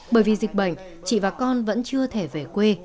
bởi vì dịch bệnh chị và con vẫn chưa thể về quê